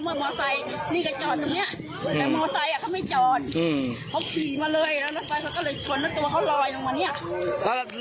รถไฟเขาก็เลยชนแล้วตัวเขาลอยลงมาเนี่ย